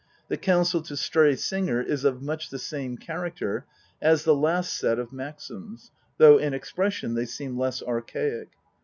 The counsel to Stray Singer is of much the same character us the last set of maxims, though in expression they seem less archaic.